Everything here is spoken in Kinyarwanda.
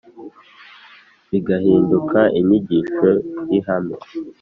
bigahinduka inyigisho y’ihame;